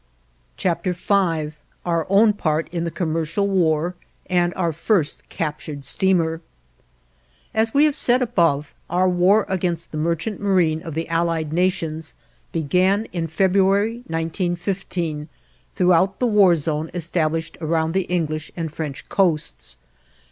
V OUR OWN PART IN THE COMMERCIAL WAR AND OUR FIRST CAPTURED STEAMER As we have said above, our war against the merchant marine of the Allied Nations began in February, 1915, throughout the war zone established around the English and French coasts.